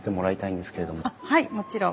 はいもちろん。